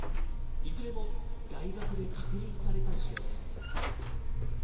いずれも大学で確認された事例です。